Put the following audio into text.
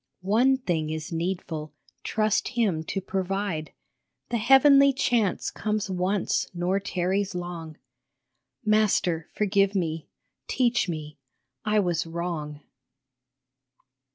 One thing is needful, trust him to provide ; The Heavenly Chance comes once nor tarries long " Master, forgive me, teach me, I was wrong